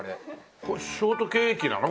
ショートケーキなの？